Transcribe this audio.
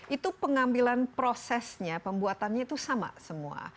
itu pengambilan prosesnya pembuatannya itu sama semua